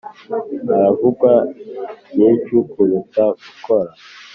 haravugwa byinshi kuruta gukora